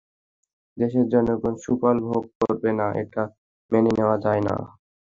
দেশের জনগণ সুফল ভোগ করবে না, এটা মেনে নেওয়া যায় না।